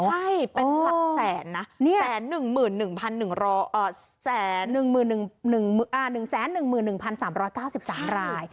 ใช่เป็นหลักแสนนะ๑๑๑๑๓๙๓ราย